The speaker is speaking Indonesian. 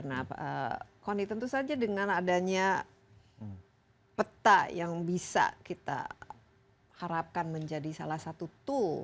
nah koni tentu saja dengan adanya peta yang bisa kita harapkan menjadi salah satu tool